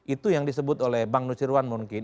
itu yang disebut oleh bang nusirwan mungkin